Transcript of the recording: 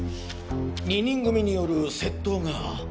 ２人組による窃盗が。